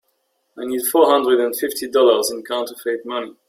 I need four hundred and fifty dollars in counterfeit money.